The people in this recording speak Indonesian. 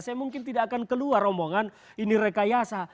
saya mungkin tidak akan keluar rombongan ini rekayasa